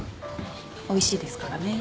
おいしいですからね。